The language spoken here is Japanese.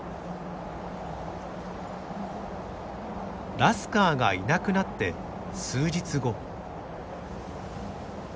ラスカーがいなくなって数日後。